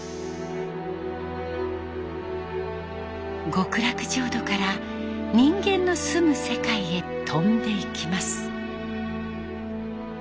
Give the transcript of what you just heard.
極楽浄土から人間の住む世界へ飛んでいきます。